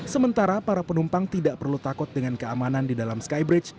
sementara para penumpang tidak perlu takut dengan keamanan di dalam skybridge